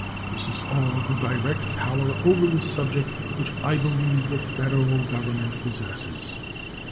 This is all the direct power over the subject which I believe the Federal Government possesses.